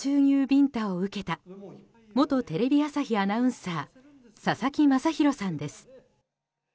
ビンタを受けた元テレビ朝日アナウンサー佐々木正洋さんです。